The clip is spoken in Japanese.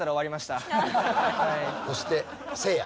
そしてせいや。